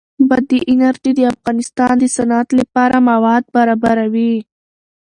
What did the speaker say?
بادي انرژي د افغانستان د صنعت لپاره مواد برابروي.